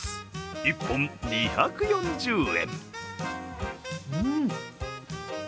１本２４０円。